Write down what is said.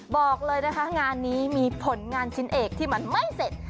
บอกเลยนะคะงานนี้มีผลงานชิ้นเอกที่มันไม่เสร็จ